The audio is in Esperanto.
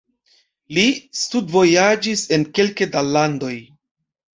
Li studvojaĝis en kelke da landoj.